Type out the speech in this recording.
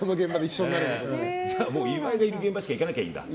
じゃあ岩井がいる現場しかいかなきゃいいんだ。